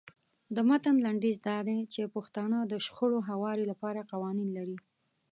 د متن لنډیز دا دی چې پښتانه د شخړو هواري لپاره قوانین لري.